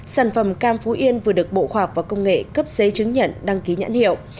sản phẩm cam phú yên vừa được bộ khoa học và công nghệ cấp giấy chứng nhận đăng ký nhãn hiệu